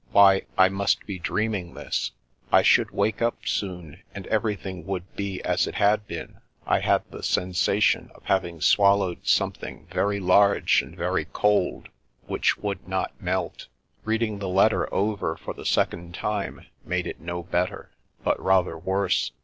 Why, I must be dreaming this. I should wake up soon, and everything would be as it had been. I had the sen sation of having swallowed something very large and very cold, which would not melt. Reading the letter over for the secor d time made it no better, but rather worse.